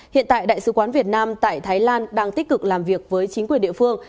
hiện tại đại sứ quán việt nam tại thái lan đang tích cực làm việc với chính quyền địa phương